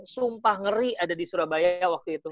sumpah ngeri ada di surabaya waktu itu